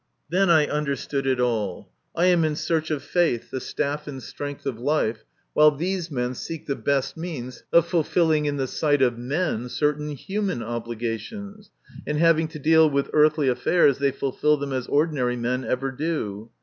Then I understood it all. I am in search of faith, the staff and strength of life, while these men seek the best means of fulfilling in the sight of men certain human obligations, and having to deal with earthly affairs they fulfil them as ordinary men ever do.